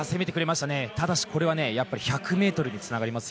これは１００ｍにつながります。